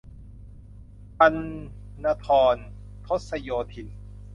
ปัณณธร ทศโยธิน